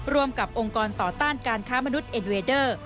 ร่วมกับองค์กรต่อต้านการค้ามนุษย์เอ็นเวดเดอร์